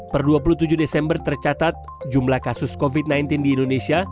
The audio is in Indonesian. per dua puluh tujuh desember tercatat jumlah kasus covid sembilan belas di indonesia